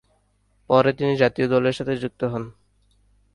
পরে তিনি জাতীয় দলের সাথে যুক্ত হন।